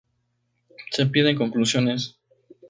Se piden conclusiones.